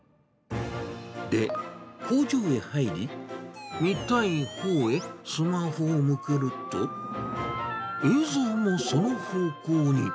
で、工場へ入り、見たいほうへスマホを向けると、映像もその方向に。